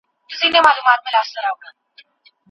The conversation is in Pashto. حکومت اقتصادي شرایط برابر کړل.